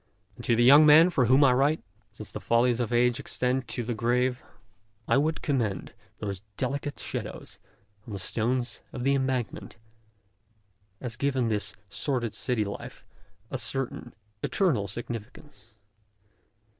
And to the young men for whom I write, since the follies of age extend to the grave, I would commend those delicate shadows on the stones of the Embankment, as giving this sordid city life a certain eternal significance.